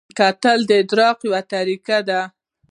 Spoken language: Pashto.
کتل د ادراک یوه طریقه ده